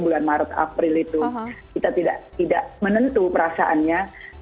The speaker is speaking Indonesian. bulan maret april itu kita tidak menentu perasaannya